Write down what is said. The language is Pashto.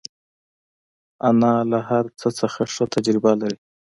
انا له هر څه نه ښه تجربه لري